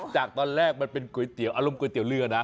จากตอนแรกมันเป็นก๋วยเตี๋ยวอารมณ์ก๋วเรือนะ